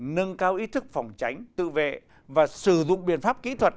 nâng cao ý thức phòng tránh tự vệ và sử dụng biện pháp kỹ thuật